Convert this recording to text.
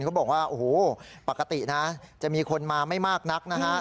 เขาบอกว่าโอ้โหปกตินะจะมีคนมาไม่มากนักนะฮะ